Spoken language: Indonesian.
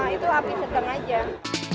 itu api setengah jam